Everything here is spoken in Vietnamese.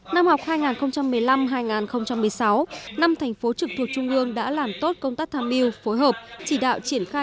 năm học hai nghìn một mươi năm hai nghìn một mươi sáu năm thành phố trực thuộc trung ương đã làm tốt công tác tham mưu phối hợp chỉ đạo triển khai